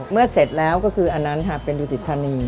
เสร็จแล้วก็คืออันนั้นค่ะเป็นดุสิทธานี